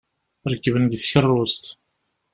Rekben deg tkerrust.